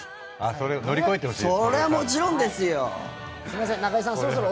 それを乗り越えてほしいと。